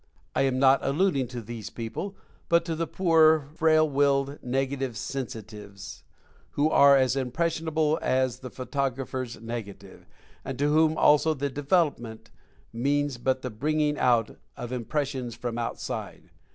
I am not alluding to these people, but to the poor, frail willed, negative sensitives, who are as impressionable as the photographer's "negative" — and to whom also the "development" means but the bringing out of im pressions from outside.